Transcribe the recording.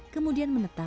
dan juga di negara negara